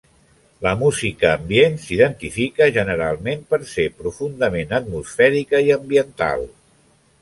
La música ambient s'identifica generalment per ser profundament atmosfèrica i ambiental.